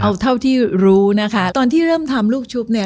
เอาเท่าที่รู้นะคะตอนที่เริ่มทำลูกชุบเนี่ย